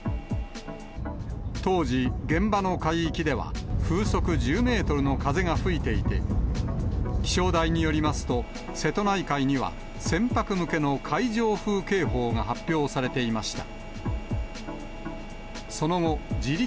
当時、現場の海域では風速１０メートルの風が吹いていて、気象台によりますと、瀬戸内海には船舶向けの海上風警報が発表されていました。